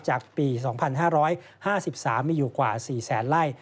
จากปี๒๕๕๓มีอยู่กว่า๔แสนไล่